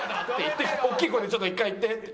「大きい声でちょっと１回言って」って。